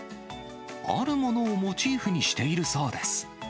あるものをモチーフにしているそうです。